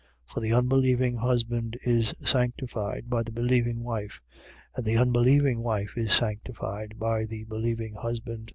7:14. For the unbelieving husband is sanctified by the believing wife: and the unbelieving wife is sanctified by the believing husband.